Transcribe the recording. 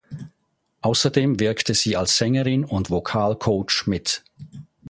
Außerdem wirkte sie als Sängerin und Vocalcoach mit.